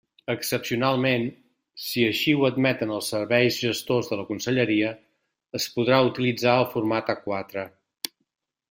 Excepcionalment, si així ho admeten els serveis gestors de la conselleria, es podrà utilitzar el format A quatre.